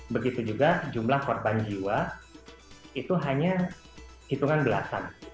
begitu juga jumlah korban jiwa itu hanya hitungan belasan